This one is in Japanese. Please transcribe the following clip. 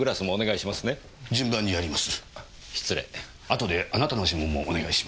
あとであなたの指紋もお願いします。